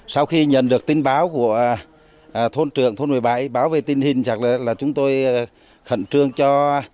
sau khi nhận được tin báo của thôn trượng thôn một mươi bảy báo về tình hình chắc là chúng tôi khẩn trương cho